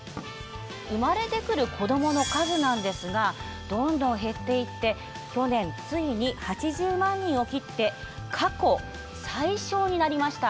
生まれてくる子どもの数なんですがどんどん減っていって去年ついに８０万人を切って過去最少になりました。